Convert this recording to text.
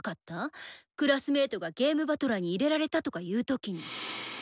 クラスメートが遊戯師団に入れられたとかいう時に。